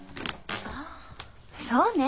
ああそうね。